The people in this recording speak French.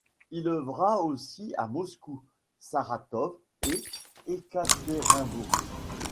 Il œuvra aussi à Moscou, Saratov et Ekaterinbourg.